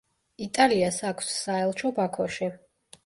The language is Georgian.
იტალიას აქვს საელჩო ბაქოში.